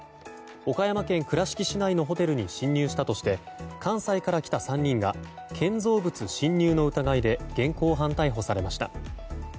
岡山県倉敷市内のホテルに侵入したとして関西から来た３人が建造物侵入の疑いで現行犯逮捕されました。